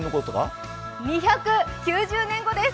２９０年後です。